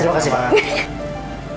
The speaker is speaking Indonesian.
terima kasih pak